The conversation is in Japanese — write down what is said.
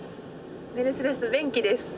メルセデスベンキです。